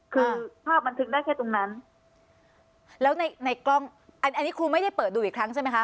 คือภาพบันทึกได้แค่ตรงนั้นแล้วในในกล้องอันนี้ครูไม่ได้เปิดดูอีกครั้งใช่ไหมคะ